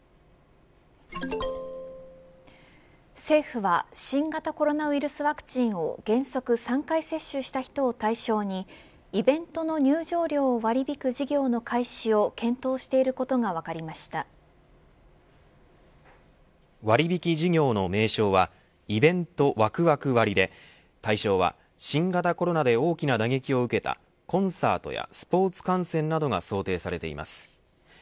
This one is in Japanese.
政府は新型コロナウイルスワクチンを原則３回接種した人を対象にイベントの入場料を割り引く事業の開始を検討していることが割引事業の名称はイベントワクワク割で対象は新型コロナで大きな打撃を受けたコンサートやスポーツ観戦などが想定されています。